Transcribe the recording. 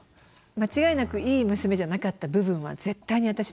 間違いなくいい娘じゃなかった部分は絶対に私にもあるので。